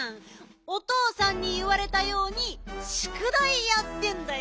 おとうさんにいわれたようにしゅくだいやってんだよ。